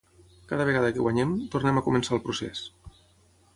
Cada vegada que guanyem, tornem a començar el procés.